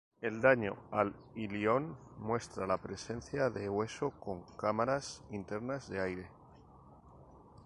El daño al ilion muestra la presencia de hueso con cámaras internas de aire.